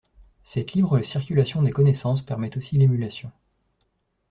Cette libre circulation des connaissances permet aussi l'émulation.